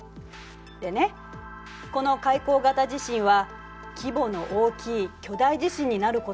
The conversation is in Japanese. でねこの海溝型地震は規模の大きい巨大地震になることが多いの。